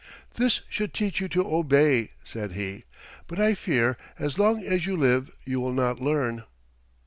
"This should teach you to obey," said he, "but I fear as long as you live you will not learn."